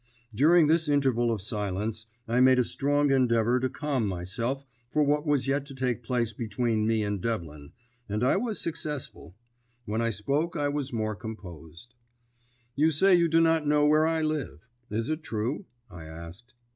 During this interval of silence I made a strong endeavour to calm myself for what was yet to take place between me and Devlin, and I was successful. When I spoke I was more composed. "You say you do not know where I live. Is it true?" I asked.